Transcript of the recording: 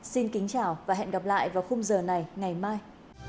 xin kính chào và hẹn gặp lại vào khung giờ này ngày mai